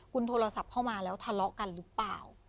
คุณโทรศัพท์เข้ามาแล้วทะเลาะกันหรือเปล่า